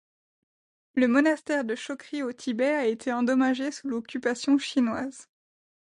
Le monastère de Chokri au Tibet a été endommagé sous l'occupation chinoise.